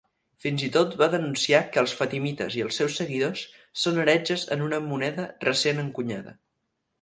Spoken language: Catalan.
Fins i tot va denunciar que els fatimites i els seus seguidors són heretges en una moneda recent encunyada.